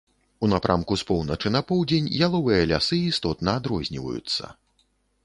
У напрамку з поўначы на поўдзень яловыя лясы істотна адрозніваюцца.